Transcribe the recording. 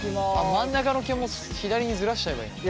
真ん中の毛も左にずらしちゃえばいいのか。